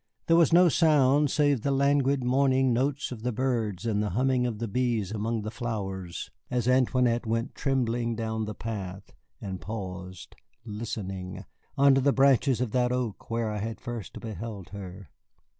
There was no sound save the languid morning notes of the birds and the humming of the bees among the flowers as Antoinette went tremblingly down the path and paused, listening, under the branches of that oak where I had first beheld her.